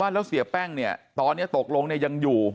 แล้วเสียแป้งเนี่ยตอนนี้ตกลงยังอยู่